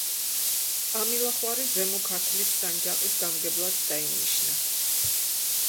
ამილახვარი ზემო ქართლის სანჯაყის გამგებლად დაინიშნა.